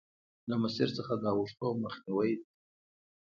له مسیر څخه د اوښتو مخنیوی دی.